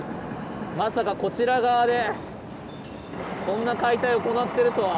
まさかこちら側でこんな解体を行ってるとは。